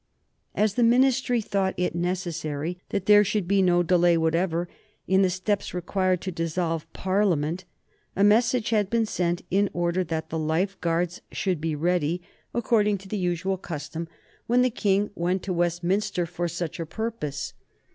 As the Ministry thought it necessary that there should be no delay whatever in the steps required to dissolve Parliament, a message had been sent in order that the Life Guards should be ready, according to the usual custom when the King went to Westminster for such a purpose.